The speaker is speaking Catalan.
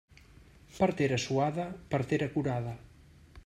Partera suada, partera curada.